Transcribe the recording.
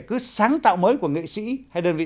cứ sáng tạo mới của nghệ sĩ hay đơn vị